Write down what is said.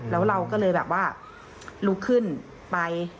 แล้วเราก็เลยแบบว่าลุกขึ้นไป